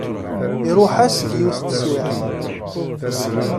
Iruḥ-as deg yiwet n teswiɛt.